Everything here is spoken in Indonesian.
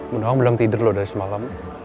bu nong belum tidur loh dari semalam